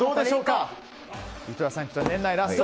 井戸田さん、年内ラスト。